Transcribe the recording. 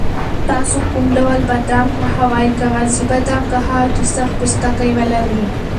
تاسو کوم ډول بادام خوښوئ، کاغذي بادام که هغه چې سخت پوستکی لري؟